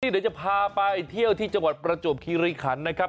เดี๋ยวจะพาไปเที่ยวที่จังหวัดประจวบคิริขันนะครับ